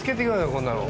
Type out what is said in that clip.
こんなの。